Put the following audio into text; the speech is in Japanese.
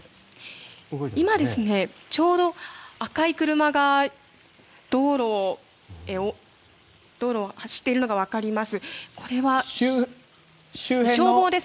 今、ちょうど赤い車が道路を走っているのがわかります。